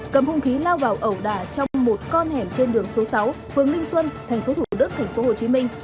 cầm hung khí lao vào ẩu đà trong một con hẻm trên đường số sáu phường linh xuân tp thủ đức tp hcm